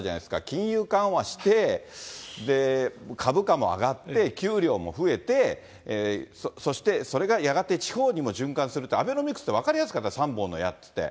金融緩和して、株価も上がって、給料も増えて、そしてそれがやがて地方にも循環するって、アベノミクスって分かりやすかった、３本の矢っていって。